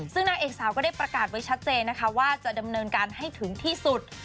ซึ่งนางเอกสาวก็ได้ประกาศไว้ชัดเจนนะคะว่าจะดำเนินการให้ถึงที่สุด